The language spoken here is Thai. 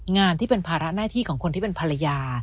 งานที่เป็นภาระหน้าที่ของคนที่เป็นภรรยา